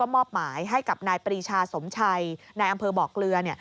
มอบหมายให้กับนายปรีชาสมชัยนายอำเภอบอกเกลือ